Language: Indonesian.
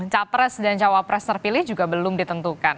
capres dan cawapres terpilih juga belum ditentukan